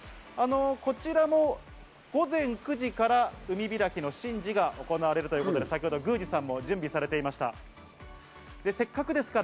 こちら午前９時から海開きの神事が行われるということで、先ほど宮司さんも準備されていらっしゃいました。